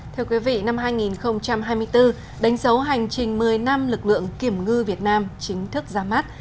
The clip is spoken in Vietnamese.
thưa quý vị năm hai nghìn hai mươi bốn đánh dấu hành trình một mươi năm lực lượng kiểm ngư việt nam chính thức ra mắt